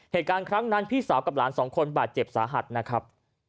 เหตุการณ์ครั้งนั้นพี่สาวกับหลานสองคนบาดเจ็บสาหัสนะครับ